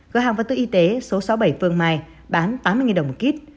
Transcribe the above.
cửa hàng vật tư y tế số sáu mươi bảy phương mai bán tám mươi đồng một kit